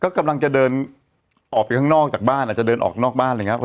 ก็กำลังจะเดินออกไปข้างนอกจากบ้านอาจจะเดินออกนอกบ้านอะไรอย่างนี้